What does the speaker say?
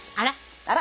あら？